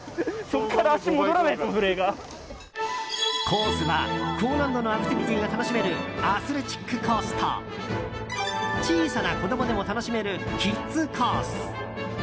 コースは、高難度のアクティビティーが楽しめるアスレチックコースと小さな子供でも楽しめるキッズコース。